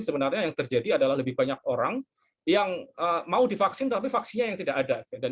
sebenarnya yang terjadi adalah lebih banyak orang yang mau divaksin tapi vaksinnya yang tidak ada dan